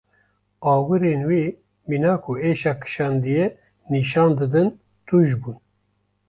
Awirên wî mîna ku êşa kişandiye nîşan didin tûj bûn.